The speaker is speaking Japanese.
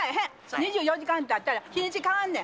２４時間たったら日にち変わんねん。